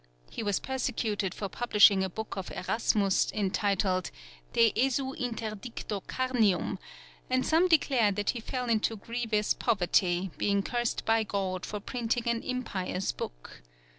He was persecuted for publishing a book of Erasmus entitled De esu interdicto carnium, and some declare that he fell into grievous poverty, being cursed by God for printing an impious book.